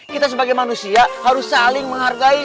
kita sebagai manusia harus saling menghargai